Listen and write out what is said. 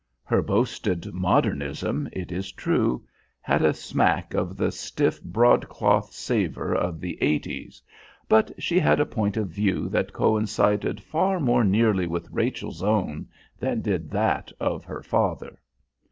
Her boasted "modernism," it is true, had a smack of the stiff, broadcloth savour of the eighties, but she had a point of view that coincided far more nearly with Rachel's own than did that of her father.